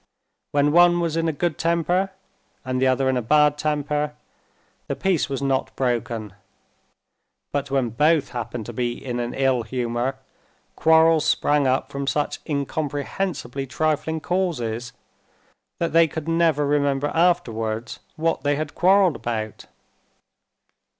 When one was in a good temper, and the other in a bad temper, the peace was not broken; but when both happened to be in an ill humor, quarrels sprang up from such incomprehensibly trifling causes, that they could never remember afterwards what they had quarreled about.